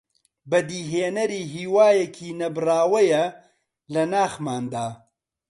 بەدیهێنەری هیوایەکی نەبڕاوەیە لە ناخماندا